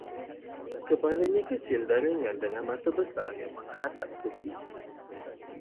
Kepalanya kecil dan ringan dengan mata besar yang menghadap ke sisi